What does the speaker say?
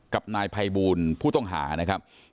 กับนายภัยบูลผู้ต้องหานะครับ